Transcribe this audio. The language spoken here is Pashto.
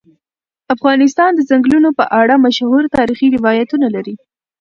افغانستان د ځنګلونه په اړه مشهور تاریخی روایتونه لري.